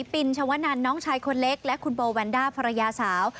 ปินชวนันน้องชายคนเล็กและคุณโบแวนด้าภรรยาสาว